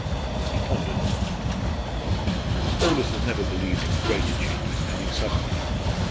He pondered a moment. "Aldous has never believed in great changes coming suddenly.